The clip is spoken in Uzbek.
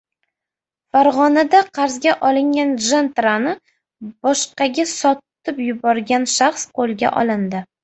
Farg‘onada qarzga olingan "Jentra"ni boshqaga sotib yuborgan shaxs qo‘lga olindi